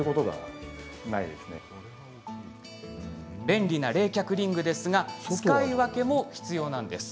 便利な冷却リングですが使い分けも必要。